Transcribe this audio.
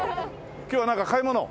今日はなんか買い物？